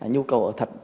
nhu cầu ở thật